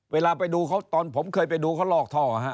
เวลาไปดูเขาตอนผมเคยไปดูเขาลอกท่อฮะ